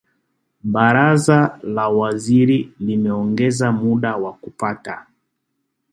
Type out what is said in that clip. Baraza la Mawaziri limeongeza muda wa kupata